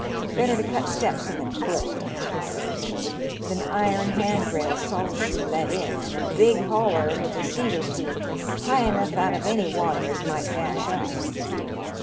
Better to cut steps in the clift, I should say, with an iron handrail solidly let in, and a big holler, with a seat or two, high enough out of any water as might dash up."